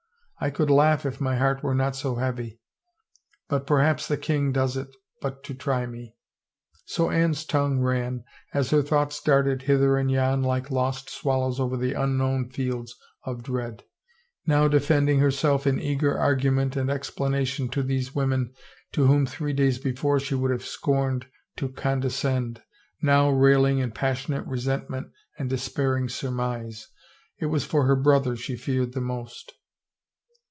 I could laugh if my heart were not so heavy. ... But perhaps the king does it but to try me." So Anne's tongue ran, as her thoughts darted hither and yon like lost swallows over the unknown fields of dread, now defending herself in eager argument and ex planation to these women to whom three days before she would have scorned to condescend, now railing in passionate resentment and despairing surmise. It was for her brother she feared the most.